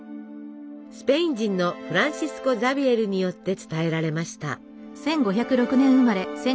スペイン人のフランシスコ・ザビエルによって伝えられました。